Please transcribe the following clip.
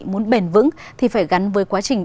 muốn bền vững thì phải gắn với quá trình